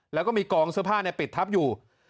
แล้วก็มีกองเสื้อผ้าปิดทับอยู่